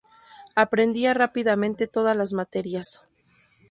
Aprendía rápidamente todas las materias.